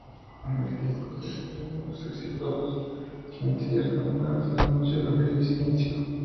Del disco se desprenden los exitosos sencillos "Campanas en la noche", "Brujería" y "Silencio".